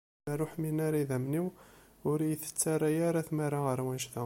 Limer ur ḥmin ara yidammen-iw ur iyi-tettarra ara tmara ɣer wanect-a.